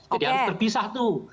jadi harus terpisah tuh